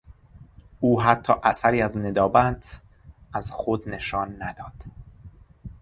او حتی اثری از ندامت از خود نشان نداد.